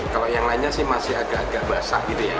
kalau yang lainnya sih masih agak agak basah gitu ya